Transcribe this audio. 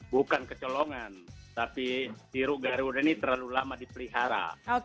bukan kecolongan tapi hero garuda ini terlalu lama dipelihara